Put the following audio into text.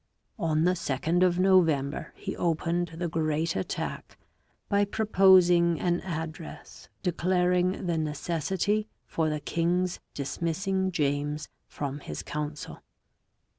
On the 2nd┬╗of November he opened the great attack by proposing an address declaring the necessity for the king's dismissing James from his council.